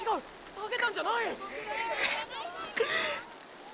下げたんじゃない！！ッ！！